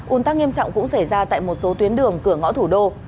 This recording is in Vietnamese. un tắc nghiêm trọng cũng xảy ra tại một số tuyến đường cửa ngõ thủ đô